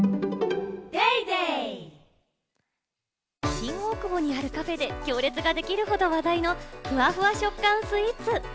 新大久保にあるカフェで行列ができるほど話題のふわふわ食感スイーツ。